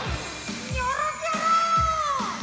ニョロニョロ。